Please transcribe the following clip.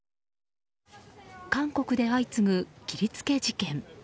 韓国で相次ぐ切りつけ事件。